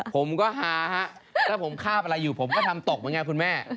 ผมก็ฮาถ้าผมฆ่าอะไรอยู่ผมก็ทำตกไหมไงคุณแม่